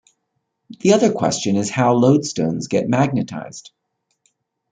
The other question is how lodestones get magnetized.